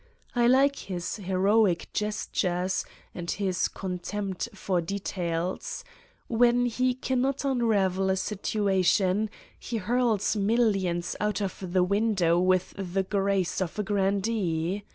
I like his heroic gestures and his contempt for de tails : when he cannot unravel a situation he hurls millions out of the window with the grace of a grandee.